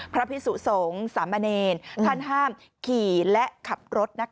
พระพิสุสงสมเนย์ท่านห้ามขี่และขับรถนะคะ